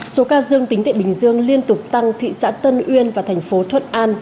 số ca dương tính tại bình dương liên tục tăng thị xã tân uyên và thành phố thuận an